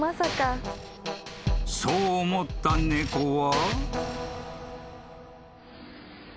［そう思った猫は］